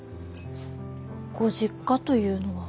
ご実家というのは。